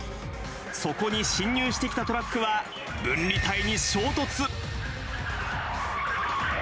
そこに進入してきたトラックは、分離帯に衝突。